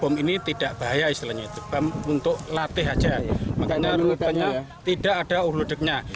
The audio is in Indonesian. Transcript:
makanya rutannya tidak ada uhludeknya